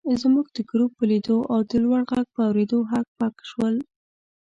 زموږ د ګروپ په لیدو او د لوړ غږ په اورېدو هک پک شول.